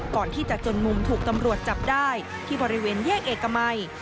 ก่อนที่จะจนมุมถูกตำรวจจับได้ที่บริเวณแยกเอกมัย